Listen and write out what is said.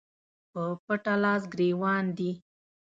په پټه لاس ګرېوان دي